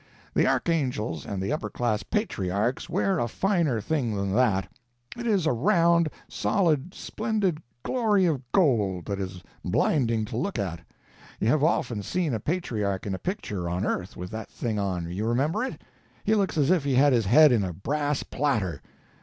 The archangels and the upper class patriarchs wear a finer thing than that. It is a round, solid, splendid glory of gold, that is blinding to look at. You have often seen a patriarch in a picture, on earth, with that thing on—you remember it?—he looks as if he had his head in a brass platter.